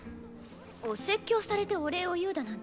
お説教されてお礼を言うだなんて